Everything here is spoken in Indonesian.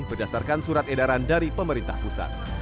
berdasarkan surat edaran dari pemerintah pusat